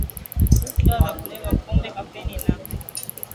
kuhusu dawa za kulevya pombe kafeni na